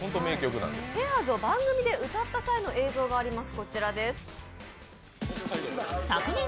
「ペアーズ」を番組で歌った際の映像があります。